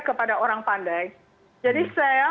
kepada orang pandai jadi saya